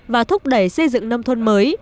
và thúc đẩy xây dựng nông thôn mới